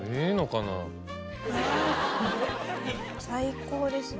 最高ですね。